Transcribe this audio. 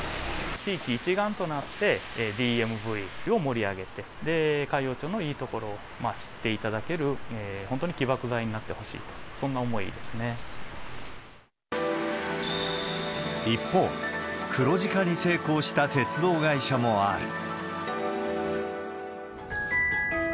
地域一丸となって、ＤＭＶを盛り上げて、海陽町のいいところを知っていただける、本当に起爆剤になってほしいと、そんな思いです一方、黒字化に成功した鉄道会社もある。